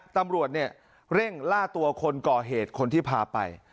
ตำรวจเนี่ยเร่งล่าตัวคนก่อเหตุคนที่พาไป